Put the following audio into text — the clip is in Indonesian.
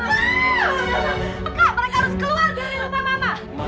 kak mereka harus keluar dari rumah mama